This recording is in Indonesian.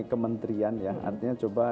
kementerian ya artinya coba